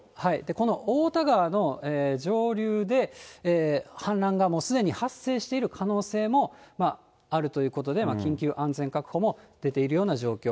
この太田川の上流で、氾濫がすでに発生している可能性もあるということで、緊急安全確保も出ているような状況。